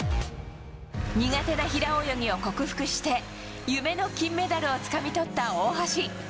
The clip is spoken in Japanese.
苦手な平泳ぎを克服して夢の金メダルをつかみ取った大橋。